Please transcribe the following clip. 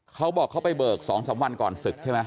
เขาบอกเขาไปเบิก๒๓วันก่อนศึกใช่ไหม